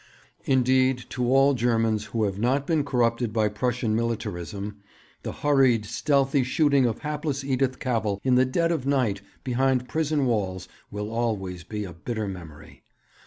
'Indeed, to all Germans who have not been corrupted by Prussian militarism, the hurried, stealthy shooting of hapless Edith Cavell in the dead of night behind prison walls will always be a bitter memory.